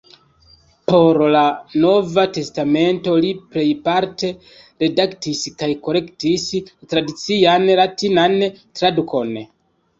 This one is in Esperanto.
Por la Nova testamento, li plejparte redaktis kaj korektis la tradician latinan tradukon.